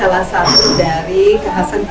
ini bernama luti gendang